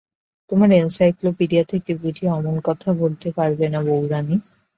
তোমার এনসাইাক্লোপীডিয়া থেকে বুঝি– অমন কথা বলতে পারবে না বউরানী।